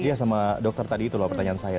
dia sama dokter tadi itu loh pertanyaan saya